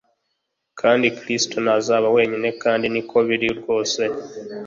Kandi Kristo ntazaba wenyine kandi niko biri rwose